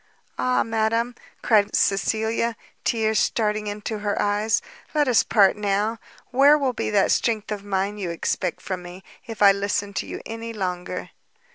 "Ah, madam," cried Cecilia, tears starting into her eyes, "let us part now! where will be that strength of mind you expect from me, if I listen to you any longer!"